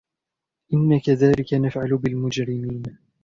إِنَّا كَذَلِكَ نَفْعَلُ بِالْمُجْرِمِينَ